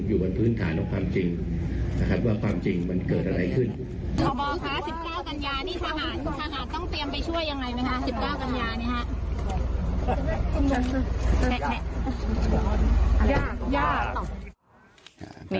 อยู่บนพื้นฐานของความจริงนะครับว่าความจริงมันเกิดอะไรขึ้น